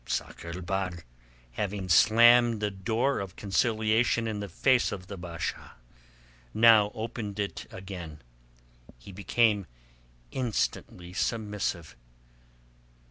Sakr el Bahr, having slammed the door of conciliation in the face of the Basha, now opened it again. He became instantly submissive.